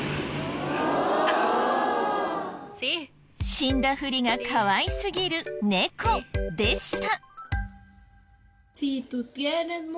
死んだフリがかわいすぎる猫でした。